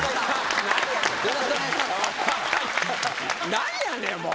何やねんもう。